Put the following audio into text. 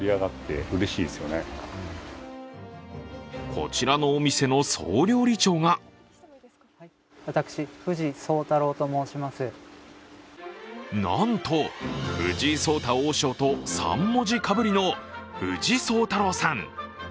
こちらのお店の総料理長がなんと藤井聡太王将と３文字かぶりの藤聡太郎さん。